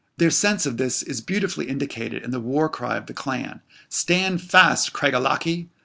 Their sense of this is beautifully indicated in the war cry of the clan, "Stand fast, Craig Ellachie."